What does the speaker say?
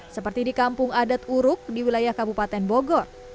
seperti di kampung adat uruk di wilayah kabupaten bogor